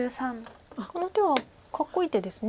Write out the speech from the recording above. この手はかっこいい手です。